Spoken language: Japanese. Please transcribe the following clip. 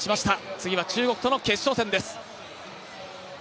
次は中国との決勝戦です。